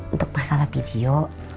untuk masalah video